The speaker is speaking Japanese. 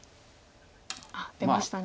出ましたね。